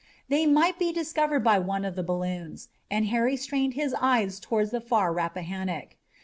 They might be discovered by one of the balloons, and Harry strained his eyes toward the far Rappahannock.